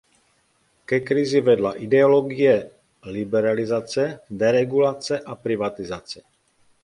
Ke krizi vedla ideologie liberalizace, deregulace a privatizace .